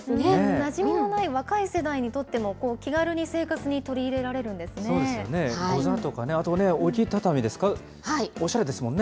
なじみのない若い世代にとっても、気軽に生活に取り入れられそうですよね、ござとか、あとね、置き畳ですか、おしゃれですもんね。